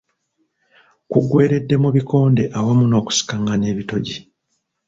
Kuggweeredde mu bikonde awamu n’okusikangana ebitogi.